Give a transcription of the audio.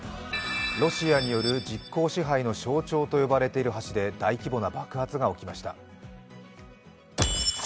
ロシアによる実効支配の象徴と呼ばれている橋で大規模な爆発が起きました。